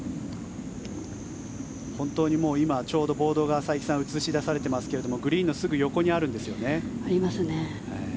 本当に今、ちょうどボードが映し出されていますがグリーンのすぐ横にあるんですよね。